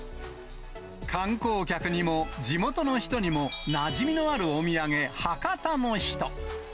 観光客にも、地元の人にもなじみのあるお土産、博多の女。